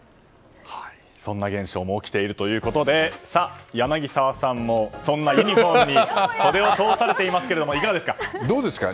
そんな現象も起きているということで柳澤さんもそんなユニホームに袖を通されていますけどいかがですか？